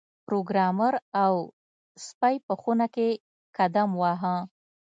پروګرامر او سپی په خونه کې قدم واهه